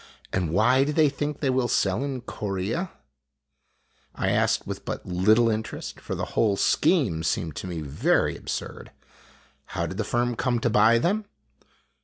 "And why do they think they will sell in Corea?" I asked, but with little interest, for the whole scheme seemed to me very absurd. " How did the firm come to buy them